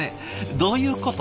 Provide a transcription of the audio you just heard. どういうこと？